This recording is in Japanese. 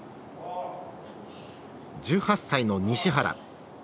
１８歳の西原。